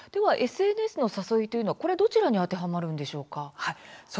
ＳＮＳの誘いというのはこれどちらにあてはまるんでしょうか？